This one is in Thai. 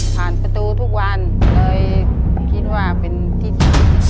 ประตูทุกวันเลยคิดว่าเป็นที่สุด